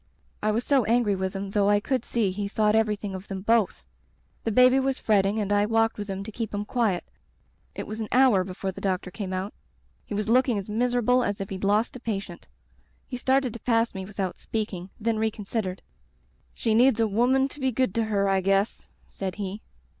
"I was so angry with him though I could see he thought everything of them both! The baby was fretting and I walked with him to keep him quiet. It was an hour be fore the doctor came out. He was looking as Digitized by LjOOQ IC The Rubber Stamp miserable as if he'd lost a patient. He started to pass me without speaking, then recon sidered. "*She needs a woman to be good to her, I guess/ said he.